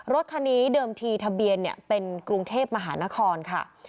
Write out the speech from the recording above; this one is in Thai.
รถคันนี้เดิมทีทะเบียนเป็นกรุงเทพมหานครค่ะ